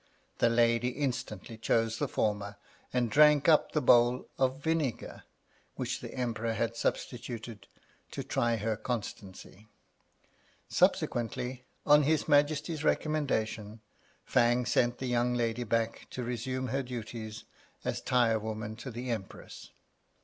The lady instantly chose the former, and drank up the bowl of vinegar, which the Emperor had substituted to try her constancy. Subsequently, on his Majesty's recommendation, Fang sent the young lady back to resume her duties as tire woman to the Empress.